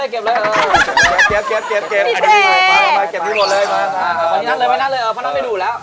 ทอนอุ้ม๒๐๐๑